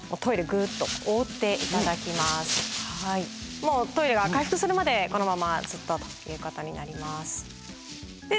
もうトイレが回復するまでこのままずっとということになります。